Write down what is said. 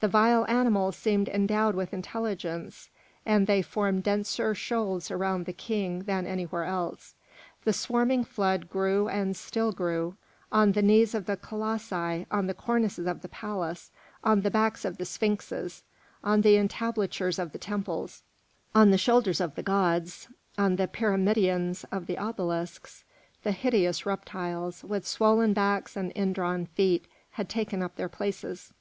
The vile animals seemed endowed with intelligence, and they formed denser shoals around the King than anywhere else. The swarming flood grew and still grew: on the knees of the colossi, on the cornices of the palaces, on the backs of the sphinxes, on the entablatures of the temples, on the shoulders of the gods, on the pyramidions of the obelisks, the hideous reptiles, with swollen backs and indrawn feet, had taken up their places.